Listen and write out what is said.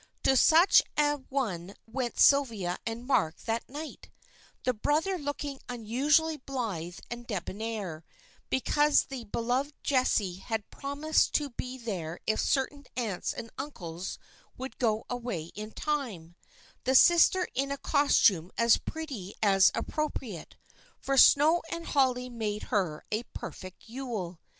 To such an one went Sylvia and Mark that night, the brother looking unusually blithe and debonair, because the beloved Jessie had promised to be there if certain aunts and uncles would go away in time; the sister in a costume as pretty as appropriate, for snow and holly made her a perfect Yule.